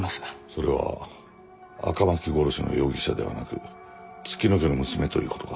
それは「赤巻殺しの容疑者」ではなく「月乃家の娘」ということか？